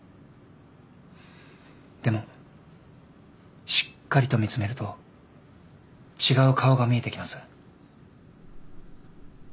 でもしっかりと見つめると違う顔が見えてきます。